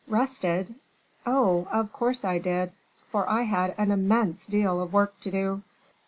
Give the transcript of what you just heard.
"Rested! Oh! of course I did, for I had an immense deal of work to do."